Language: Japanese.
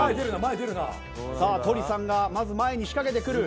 さあとりさんがまず前に仕掛けてくる。